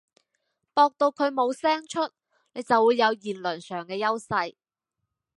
駁到佢冇聲出，你就會有言論上嘅優勢